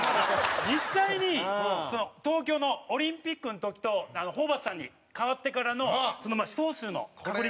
実際に東京のオリンピックの時とホーバスさんに代わってからの試投数の確率。